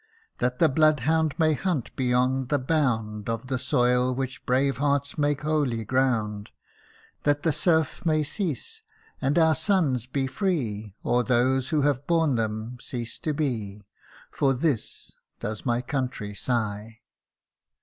That the bloodhound may hunt beyond the bound Of the soil which brave hearts make holy ground ; That the serf may cease ; and our sons be free, Or those who have borne them, cease to be For this does my country sigh